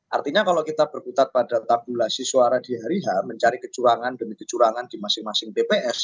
artinya kalau kita berkutat pada tabulasi suara di hari h mencari kecurangan demi kecurangan di masing masing tps